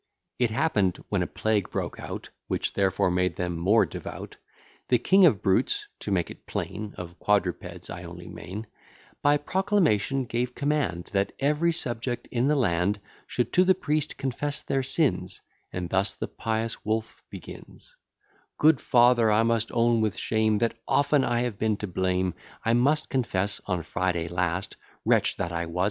It happen'd, when a plague broke out, (Which therefore made them more devout,) The king of brutes (to make it plain, Of quadrupeds I only mean) By proclamation gave command, That every subject in the land Should to the priest confess their sins; And thus the pious Wolf begins: Good father, I must own with shame, That often I have been to blame: I must confess, on Friday last, Wretch that I was!